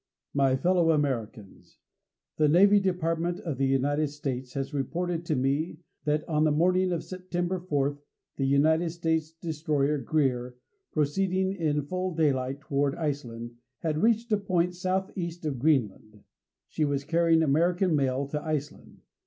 My Fellow Americans: The Navy Department of the United States has reported to me that on the morning of September fourth the United States destroyer GREER, proceeding in full daylight towards Iceland, had reached a point southeast of Greenland. She was carrying American mail to Iceland.